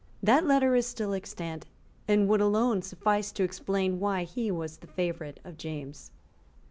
That letter is still extant, and would alone suffice to explain why he was the favourite of James.